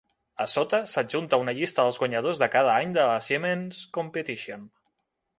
A sota s'adjunta una llista dels guanyadors de cada any de la Siemens Competition.